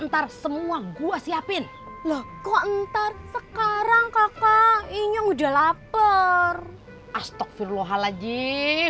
ntar semua gua siapin loh kok ntar sekarang kakak ini udah lapar astaghfirullahaladzim